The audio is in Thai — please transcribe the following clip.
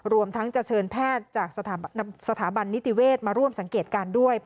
รวมทั้งจะเชิญแพทย์จากสถาบันนิติเวศมาร่วมสังเกตการณ์ด้วย